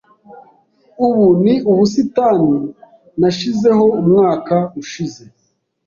Ubu ni ubusitani nashizeho umwaka ushize.